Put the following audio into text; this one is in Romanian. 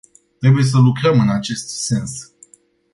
Trebuie să lucrăm în acest sens.